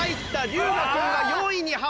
龍我君は４位にはまった。